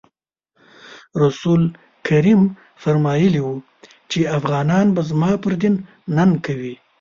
رسول کریم فرمایلي وو چې افغانان به زما پر دین ننګ کوي.